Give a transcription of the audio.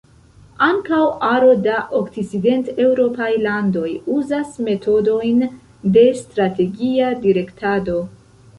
Ankaŭ aro da okcidenteŭropaj landoj uzas metodojn de strategia direktado.